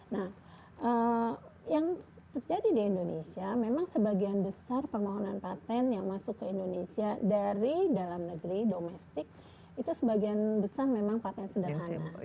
nah yang terjadi di indonesia memang sebagian besar permohonan patent yang masuk ke indonesia dari dalam negeri domestik itu sebagian besar memang patent sederhana